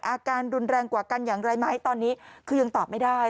อาการรุนแรงกว่ากันอย่างไรไหมตอนนี้คือยังตอบไม่ได้